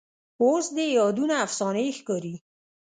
اوس دي یادونه افسانې ښکاري